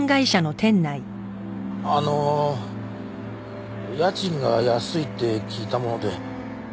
あの家賃が安いって聞いたもので。